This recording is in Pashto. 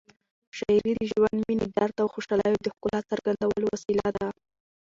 شاعري د ژوند، مینې، درد او خوشحالیو د ښکلا څرګندولو وسیله ده.